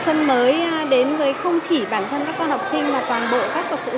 cũng như các thầy cô giáo trong mùa xuân mới đến với không chỉ bản thân các con học sinh mà toàn bộ các bậc phụ huynh